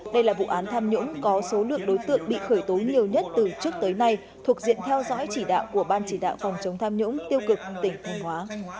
đây là vụ án tham nhũng có số lượng đối tượng bị khởi tố nhiều nhất từ trước tới nay thuộc diện theo dõi chỉ đạo của ban chỉ đạo phòng chống tham nhũng tiêu cực tỉnh thanh hóa